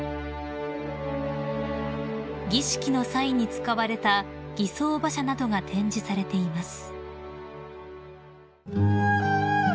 ［儀式の際に使われた儀装馬車などが展示されています］